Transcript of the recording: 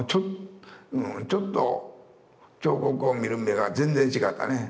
ちょっと彫刻を見る目が全然違ったね。